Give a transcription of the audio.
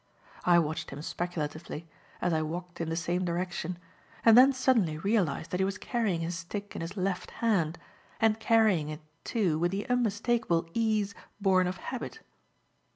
I watched him speculatively, as I walked in the same direction, and then suddenly realized that he was carrying his stick in his left hand, and carrying it, too, with the unmistakable ease born of habit.